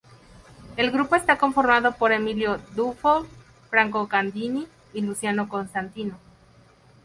El grupo está conformado por: Emilio Dufour, Franco Gandini y Luciano Costantino.